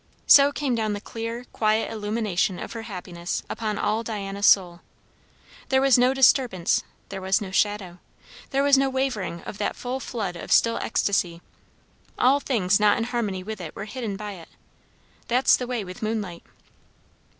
So came down the clear, quiet illumination of her happiness upon all Diana's soul. There was no disturbance; there was no shadow; there was no wavering of that full flood of still ecstasy. All things not in harmony with it were hidden by it. That's the way with moonlight.